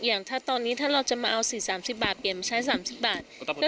อย่างถ้าตอนนี้ถ้าเราจะมาเอา๔๓๐บาทเปลี่ยนมาใช้๓๐บาท